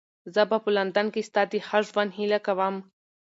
زه به په لندن کې ستا د ښه ژوند هیله کوم.